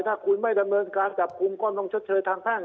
ถ้าไม่ดำเนินการจับคุมก้อนที่ชดเชยทางแพร่ง